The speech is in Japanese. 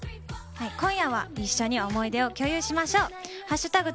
今夜は一緒に思い出を共有しましょう。